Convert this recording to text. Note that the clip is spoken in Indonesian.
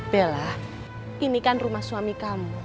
bella ini kan rumah suami kamu